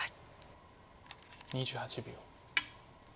２８秒。